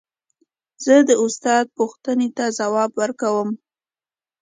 زه د استاد پوښتنو ته ځواب ورکوم.